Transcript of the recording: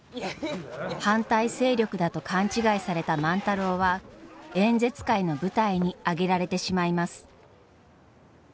反対勢力だと勘違いされた万太郎は演説会の舞台に上げられてしまいます。